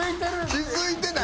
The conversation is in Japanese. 気付いてない？